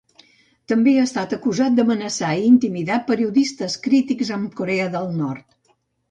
També ha estat acusat d'amenaçar i intimidar periodistes crítics amb Corea del Nord.